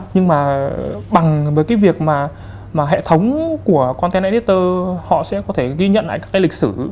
nhưng mà bằng với cái việc mà hệ thống của conten editter họ sẽ có thể ghi nhận lại các cái lịch sử